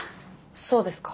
そうですか。